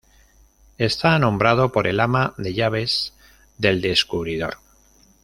Está nombrado por el ama de llaves del descubridor.